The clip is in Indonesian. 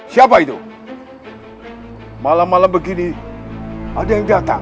siapa itu malam malam begini ada yang datang